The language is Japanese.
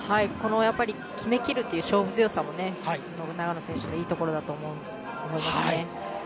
やっぱり決めきるという勝負強さも長野選手のいいところだと思いますね。